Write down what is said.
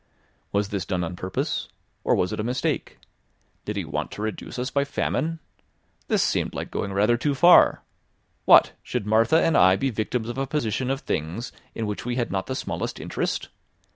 Was this done on purpose? Or was it a mistake? Did he want to reduce us by famine? This seemed like going rather too far! What! should Martha and I be victims of a position of things in which we had not the smallest interest?